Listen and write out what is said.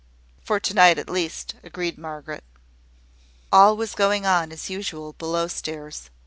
"For to night at least," agreed Margaret. All was going on as usual below stairs.